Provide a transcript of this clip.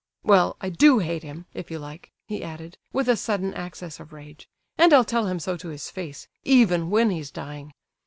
"Well, I do hate him, if you like!" he added, with a sudden access of rage, "and I'll tell him so to his face, even when he's dying!